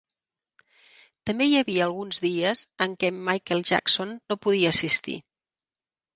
També hi havia alguns dies en què Michael Jackson no podia assistir.